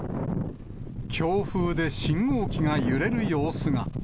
強風で信号機が揺れる様子が。